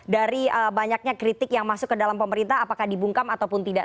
dari banyaknya kritik yang masuk ke dalam pemerintah apakah dibungkam ataupun tidak